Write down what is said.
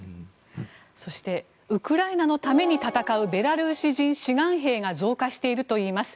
そしてウクライナのために戦うベラルーシ人志願兵が増加しているといいます。